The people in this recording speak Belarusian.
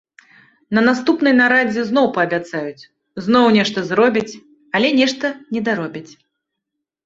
На наступнай нарадзе зноў паабяцаюць, зноў нешта зробяць, але нешта недаробяць.